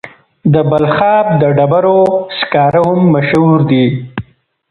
د بلخاب د ډبرو سکاره هم مشهور دي.